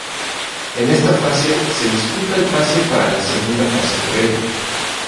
En esta fase se disputa el pase para la segunda fase previa.